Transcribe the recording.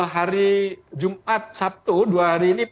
hari jumat sabtu dua hari ini